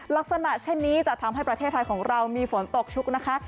ลักษณะเช่นนี้จะทำให้ประเทศไทยของเรามีฝนตกชุกนะคะ